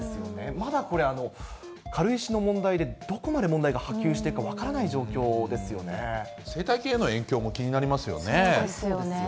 まだこれ、軽石の問題で、どこまで問題が波及していくか分からな生態系への影響も気になりまそうですよね。